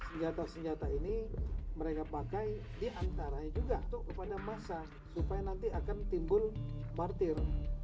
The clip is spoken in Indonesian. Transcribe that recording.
senjata senjata ini mereka pakai diantaranya juga kepada massa supaya nanti akan timbul martir